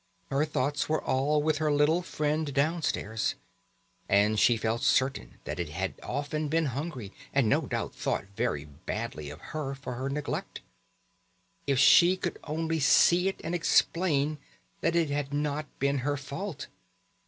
Her thoughts were all with her little friend downstairs; and she felt certain that it had often been hungry, and no doubt thought very badly of her for her neglect. If she could only see it and explain that it had not been her fault!